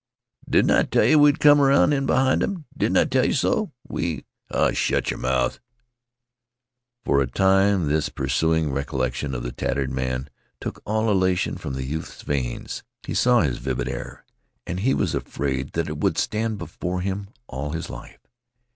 "Didn't I tell yeh we'd come aroun' in behint 'em? Didn't I tell yeh so? We " "Oh, shet yeh mouth!" For a time this pursuing recollection of the tattered man took all elation from the youth's veins. He saw his vivid error, and he was afraid that it would stand before him all his life.